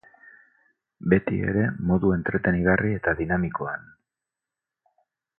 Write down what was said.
Beti ere modu entretenigarri eta dinamikoan.